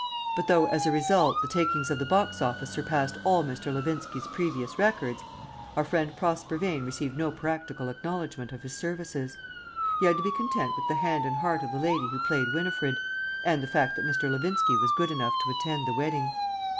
But though, as a result, the takings of the Box Office surpassed all Mr. Levinski's previous records, our friend Prosper Vane received no practical acknowledgment of his services. He had to be content with the hand and heart of the lady who played Winifred, and the fact that Mr. Levinski was good enough to attend the wedding.